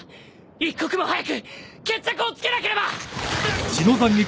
一刻も早く決着をつけなければ！